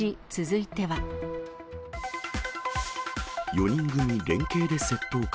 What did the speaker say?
４人組連携で窃盗か。